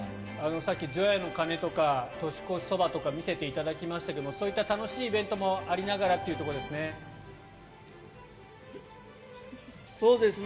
さっき、除夜の鐘とか年越しそばとか見せていただきましたがそういった楽しいイベントもありながらということですね。